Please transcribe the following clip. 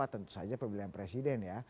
tentu saja pemilihan presiden ya